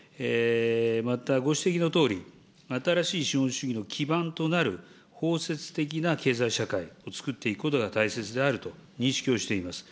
またご指摘のとおり、新しい資本主義の基盤となる包摂的な経済社会をつくっていくことが大切であると認識をしています。